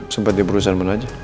sempat di perusahaan mana aja